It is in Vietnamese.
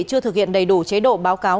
chưa thực hiện đầy đủ chế độ báo cáo